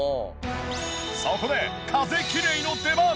そこで風きれいの出番。